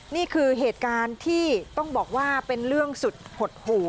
นี่คือเหตุการณ์ที่ต้องบอกว่าเป็นเรื่องสุดหดหู่